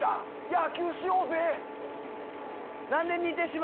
野球しようぜ！